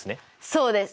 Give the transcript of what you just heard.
そうです。